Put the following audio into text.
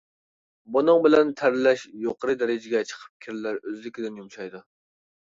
بۇنىڭ بىلەن تەرلەش يۇقىرى دەرىجىگە چىقىپ كىرلەر ئۆزلۈكىدىن يۇمشايدۇ.